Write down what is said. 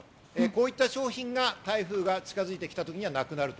こういった商品が台風が近づいてきたときにはなくなる。